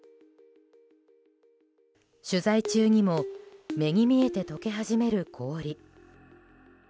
取材中にも目に見えて解け始める氷。